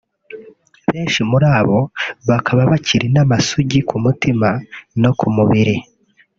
benshi muri bo bakaba bakiri n’amasugi ku mutima no ku mubiri